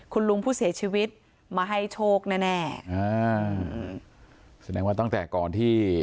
คุณลุงผู้เสียชีวิตมาให้โชคแน่แน่อ่าแสดงว่าตั้งแต่ก่อนที่